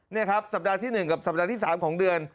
นี่ครับสัปดาห์ที่๑กับสัปดาห์ที่๓ของเดือน